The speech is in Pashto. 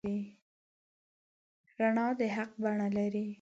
رڼا د حق بڼه لري.